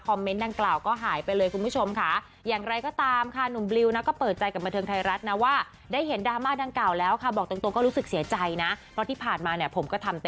คอมเมนต์ดังกล่าวก็หายไปเลยคุณผู้ชมค่ะ